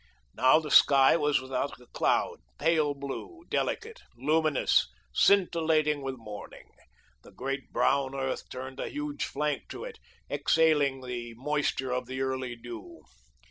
Now the sky was without a cloud, pale blue, delicate, luminous, scintillating with morning. The great brown earth turned a huge flank to it, exhaling the moisture of the early dew.